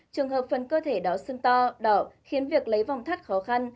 trường hợp phần cơ thể đó sưng to đỏ khiến việc lấy vòng thắt khó khăn